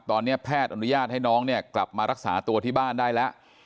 ตอนนี้แพทย์อนุญาตให้น้องเนี่ยกลับมารักษาตัวที่บ้านได้แล้ว